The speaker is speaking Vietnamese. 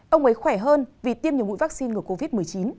ông ấy khỏe hơn vì tiêm nhiều mũi vaccine ngừa covid một mươi chín